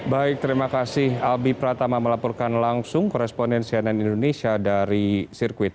baik terima kasih albi pratama melaporkan langsung koresponen cnn indonesia dari sirkuit